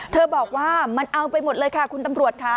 บอกว่ามันเอาไปหมดเลยค่ะคุณตำรวจค่ะ